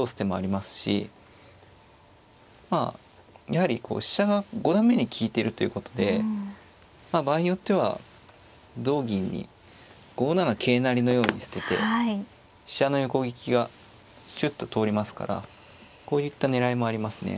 やはりこう飛車が五段目に利いてるということで場合によっては同銀に５七桂成のように捨てて飛車の横利きがシュッと通りますからこういった狙いもありますね。